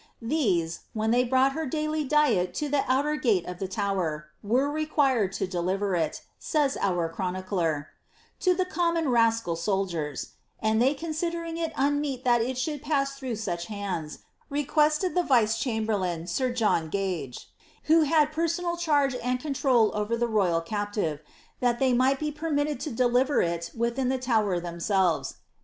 These, when they brought her daily diet to the outer gate of the Tower, were required to deliver it, says our chronlcleri ^ to the common rascal soldiers," and they considering it unmeet that it should pass through such hands, requested the vice chamberlain, sir John Gage, who had personal charge and control over the royal capcivai that they might be permitted to deliver it within the Tower themselves.